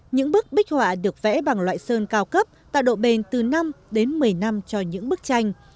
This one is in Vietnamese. những bức bích họa được vẽ bằng loại sơn cao cấp tạo độ bền từ năm đến một mươi năm cho những bức tranh